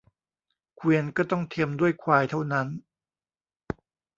เกวียนก็ต้องเทียมด้วยควายเท่านั้น